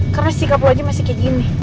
karena sikap lo aja masih kayak gini